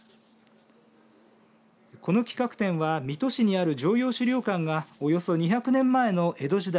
この企画展は水戸市にある常陽史料館がおよそ２００年前の江戸時代